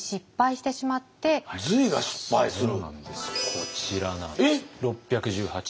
こちらなんです。